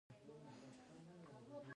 هلته له مخالفانو سره وحشیانه رویه کیږي.